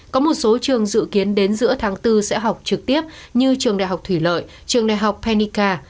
có một số trường dự kiến đến giữa tháng bốn sẽ học trực tiếp như trường đại học thủy lợi trường đại học pennica